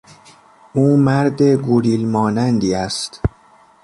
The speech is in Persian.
او مرد گوریل مانندی است.